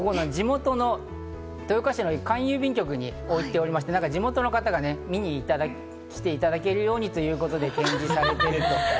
豊岡市の簡易郵便局に置いておりまして、地元の方が見に来ていただけるようにということで、展示されている。